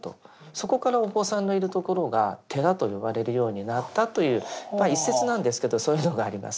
そこからお坊さんのいる所が「寺」と呼ばれるようになったというまあ一説なんですけどそういうのがあります。